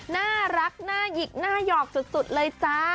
น่ารักน่าหยิกหน้าหยอกสุดเลยจ้า